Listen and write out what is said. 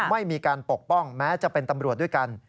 ไม่มีการปกป้องแม้จะเป็นตำรวจด้วยกัน